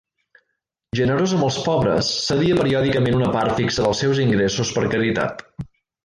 Generosa amb els pobres, cedia periòdicament una part fixa dels seus ingressos per caritat.